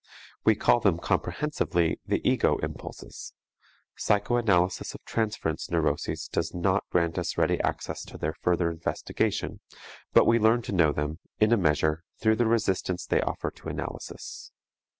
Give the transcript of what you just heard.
We call them comprehensively the "ego impulses"; psychoanalysis of transference neuroses does not grant us ready access to their further investigation, but we learn to know them, in a measure, through the resistance they offer to analysis.